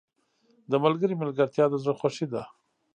• د ملګري ملګرتیا د زړه خوښي ده.